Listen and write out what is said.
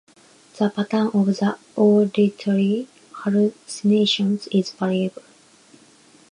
The pattern of the auditory hallucinations is variable.